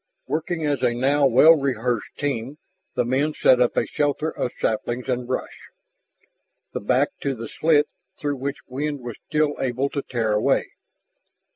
Working as a now well rehearsed team, the men set up a shelter of saplings and brush, the back to the slit through which wind was still able to tear a way.